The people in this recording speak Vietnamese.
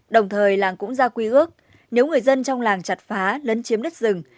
đồng thời làng cũng ra quy ước nếu người dân trong làng chặt phá lấn chiếm đất rừng